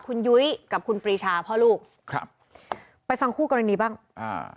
คุณยุ้ยกับคุณปรีชาพ่อลูกครับไปฟังคู่กรณีบ้างอ่า